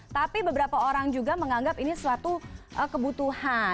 tapi beberapa orang juga menganggap ini suatu kebutuhan